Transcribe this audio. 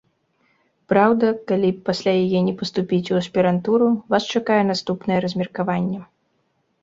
Праўда, калі пасля яе не паступіць у аспірантуру, вас чакае наступнае размеркаванне.